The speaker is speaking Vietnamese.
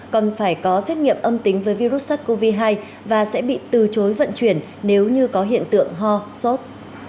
còn phải có xét nghiệm âm tính với virus sars cov hai và sẽ bị từ chối vận chuyển nếu như có hiện tượng ho sốt